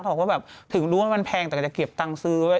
เขาก็แบบถึงรู้ว่ามันแพงแต่ก็จะเก็บตังค์ซื้อไว้